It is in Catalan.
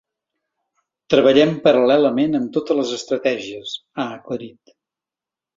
Treballem paral·lelament amb totes les estratègies, ha aclarit.